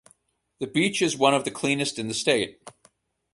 The beach is one of the cleanest in the state.